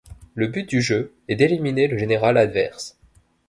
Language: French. Le but du jeu est d'éliminer le général adverse.